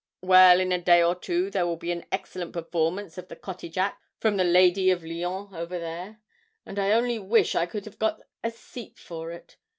Well, in a day or two there will be an excellent performance of the cottage act from the "Lady of Lyons" over there, and I only wish I could have got a seat for it.